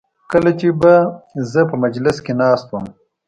کله چې به زه په مجلس کې ناست وم.